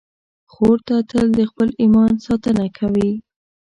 خور تل د خپل ایمان ساتنه کوي.